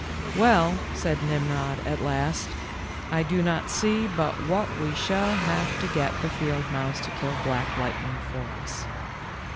:? Well," said Nimrod at last, r 'Ido not see but what we shall have to get the field mouse to kill Black Lightning; for us.